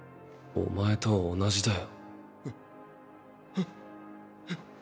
お前と同じだよ。